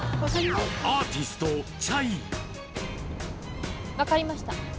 アーティスト・ｃｈａｙ分かりました